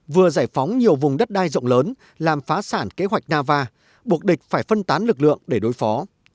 vừa giải phóng nhiều vùng đất đai rộng lớn làm phá sản kế hoạch nava buộc địch phải phân tán lực lượng để đối phó